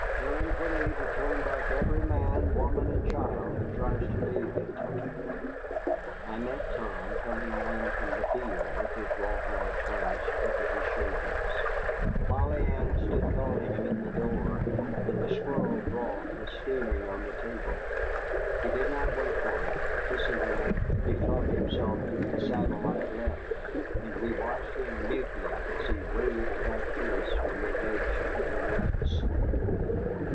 Tell him for me to turn back every man, woman, and child who tries to leave Kentucky." I met Tom coming in from the field with his rawhide harness over his shoulders. Polly Ann stood calling him in the door, and the squirrel broth was steaming on the table. He did not wait for it. Kissing her, he flung himself into the saddle I had left, and we watched him mutely as he waved back to us from the edge of the woods.